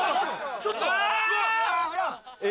ちょっと！